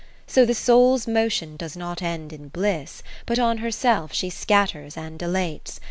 XII So the soul's motion does not end in bliss. But on herself she scatters and dilates.